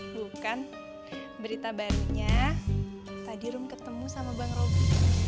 bukan berita barunya tadi rom ketemu sama bang robi